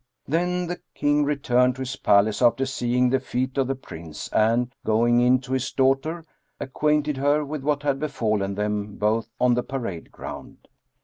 Then the King returned to his palace after seeing the feat of the Prince and, going in to his daughter, acquainted her with what had befallen them both on the parade ground.